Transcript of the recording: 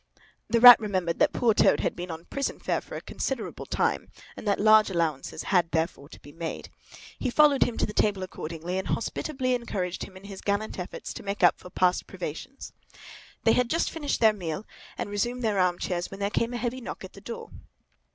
The Rat remembered that poor Toad had been on prison fare for a considerable time, and that large allowances had therefore to be made. He followed him to the table accordingly, and hospitably encouraged him in his gallant efforts to make up for past privations. They had just finished their meal and resumed their arm chairs, when there came a heavy knock at the door.